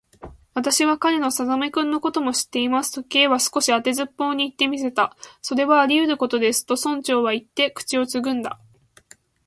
「私は彼の細君のことも知っています」と、Ｋ は少し当てずっぽうにいってみた。「それはありうることです」と、村長はいって、口をつぐんだ。